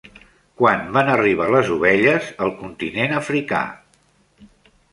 Quan van arribar les ovelles al continent africà?